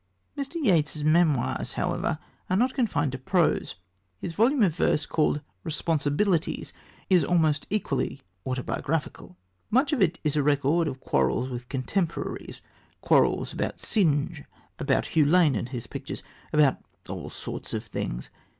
Mr. Yeats's memoirs, however, are not confined to prose. His volume of verse called Responsibilities is almost equally autobiographical. Much of it is a record of quarrels with contemporaries quarrels about Synge, about Hugh Lane and his pictures, about all sorts of things.